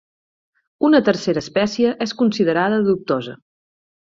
Una tercera espècie és considerada dubtosa.